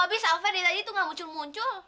abis alvaerdena tadi tuh gak muncul muncul